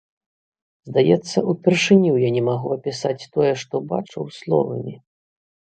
Здаецца, упершыню я не магу апісаць тое, што бачыў, словамі.